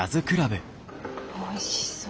おいしそう。